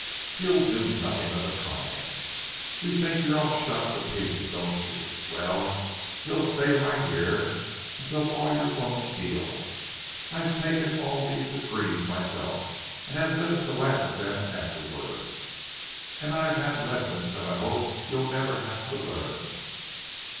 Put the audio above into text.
"You'll do nothing of the kind. You think you're all shot to pieces, don't you? Well, you'll stay right here until all your wounds heal. I've taken all these degrees myself, and have lived to laugh at them afterward. And I have had lessons that I hope you'll never have to learn.